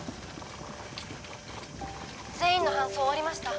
全員の搬送終わりました